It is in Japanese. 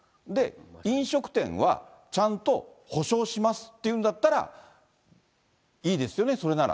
飲食店はちゃんと補償しますって言うんだったら、いいですよね、それなら。